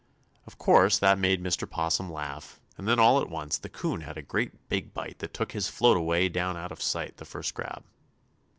Of course, that made Mr. 'Possum laugh, and then, all at once, the 'Coon had a great big bite that took his float away down out of sight the first grab.